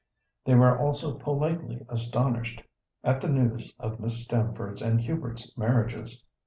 They were also politely astonished at the news of Miss Stamford's and Hubert's marriages.